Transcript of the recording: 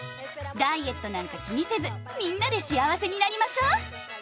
ダイエットなんか気にせずみんなで幸せになりましょう！